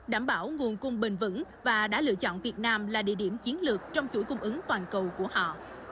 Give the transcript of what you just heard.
đảm bảo nguồn cung bền vững và đã lựa chọn việt nam là địa điểm chiến lược trong chuỗi cung ứng toàn cầu của họ